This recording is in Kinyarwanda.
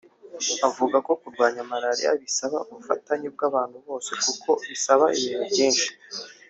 avuga ko kurwanya malariya bisaba ubufatanye bw’abantu bose kuko bisaba ibintu byinshi